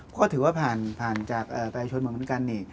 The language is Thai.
ก็ถือว่าผ่านจากประชนเมืองเหมือนกัน